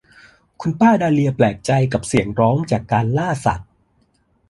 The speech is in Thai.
คุณป้าดาเลียแปลกใจกับเสียงร้องจากการล่าสัตว์